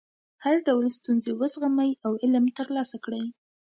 هر ډول ستونزې وزغمئ او علم ترلاسه کړئ.